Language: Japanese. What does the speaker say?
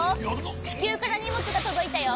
ちきゅうからにもつがとどいたよ。